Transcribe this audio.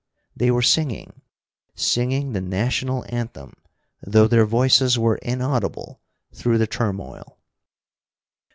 They were singing, singing the National Anthem, though their voices were inaudible through the turmoil.